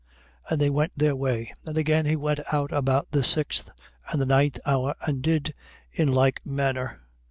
20:5. And they went their way. And again he went out about the sixth and the ninth hour, and did in like manner.